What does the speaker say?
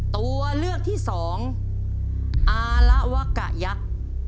ตัวเลือกที่สองอาละวะกะยักษ์